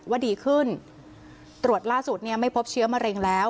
ดีขึ้นตรวจล่าสุดเนี่ยไม่พบเชื้อมะเร็งแล้ว